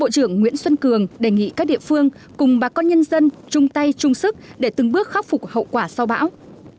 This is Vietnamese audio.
dừng nguyên liệu thiệt hại gần năm mươi sau bão số một mươi đổ bóng